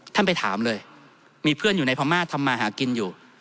ไปถามเลยมีเพื่อนอยู่ในพม่าทำมาหากินอยู่